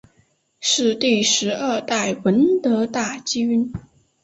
是第十二代闻得大君。